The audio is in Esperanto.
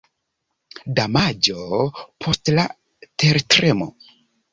Damaĝo post la tertremo.